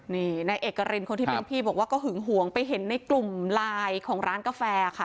นี่นายเอกรินคนที่เป็นพี่บอกว่าก็หึงหวงไปเห็นในกลุ่มไลน์ของร้านกาแฟค่ะ